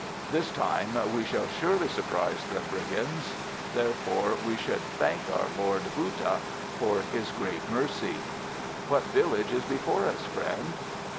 This time we shall surely surprise the brigands; therefore we should thank our Lord Bhouddah for his great mercy." "What village is before us, friend?"